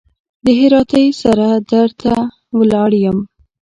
د هراتۍ سره در ته ولاړ يم.